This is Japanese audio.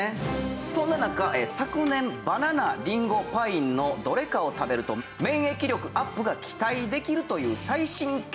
そんな中昨年バナナりんごパインのどれかを食べると免疫力アップが期待できるという最新研究が発表されたんです。